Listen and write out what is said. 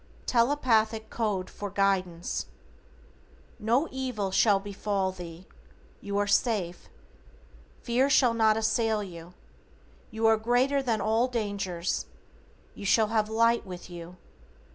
=TELEPATHIC CODE FOR GUIDANCE:= No evil shall befall thee. You are safe. Fear shall not assail you. You are greater than all dangers. You shall have light with you.